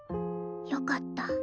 よかった。